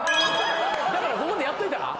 だからここでやっといたら？